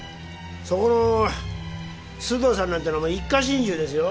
そこの須藤さんなんてのも一家心中ですよ。